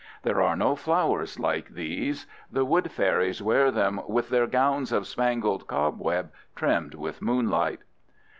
There are no flowers like these. The wood fairies wear them with their gowns of spangled cobweb trimmed with moonlight.